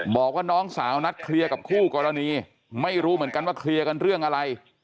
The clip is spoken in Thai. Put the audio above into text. บอกว่าน้องสาวนัดเคลียร์กับคู่กรณีไม่รู้เหมือนกันว่าเคลียร์กันเรื่องอะไร